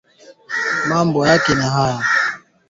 Chanzo cha habari hii ni gazeti la Afrika Mashariki.